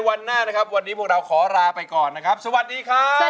ดีใจที่สุดวันนี้ที่ตัวเองได้มายืนอยู่ที่รายการนี้